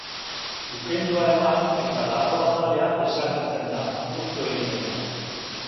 Ukendua eman eta larruazalean desagertzen da, urtu egiten da.